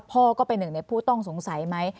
พ่อก็เป็นหนึ่งในผู้ต้องสงสัยไหม